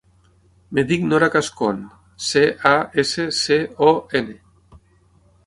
Em dic Nora Cascon: ce, a, essa, ce, o, ena.